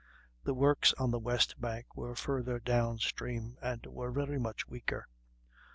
The works on the west bank were farther down stream, and were very much weaker.